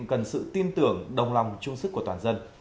cần sự tin tưởng đồng lòng trung sức của toàn dân